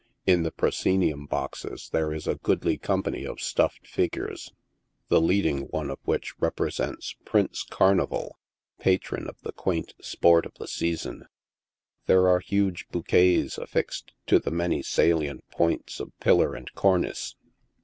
In the proscenium boxes there is a goodly company of stuffed figures, the leading one of which represents Prince Carnival, patron of the quaint sports of the season. There are great bouquets af fixed to many salient points of pillar and cornice.